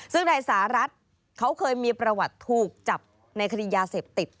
ซึ่งนายสหรัฐเขาเคยมีประวัติถูกจับในคดียาเสพติด